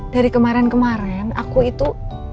dari kemarin kemarin aku itu